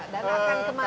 dan akan kemana